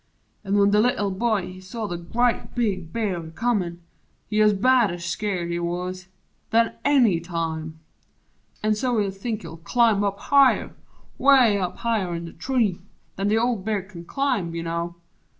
An' when The Little Boy he saw the grea' big Bear A comin', he 'uz badder skeered, he wuz, Than any time! An' so he think he'll climb Up higher 'way up higher in the tree Than the old Bear kin climb, you know.